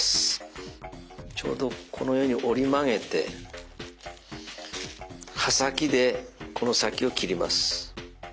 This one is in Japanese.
ちょうどこのように折り曲げて刃先でこの先を切ります。